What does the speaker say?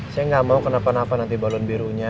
saya nggak mau kenapa napa nanti balon birunya